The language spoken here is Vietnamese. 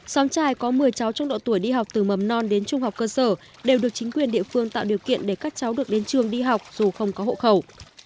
xóm trài có một mươi cháu trong độ tuổi đi học từ mầm non đến trung học cơ sở đều được chính quyền địa phương tạo điều kiện để các cháu được đến trường đi học dù không có hộ khẩu